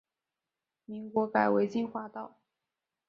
民国改为金华道。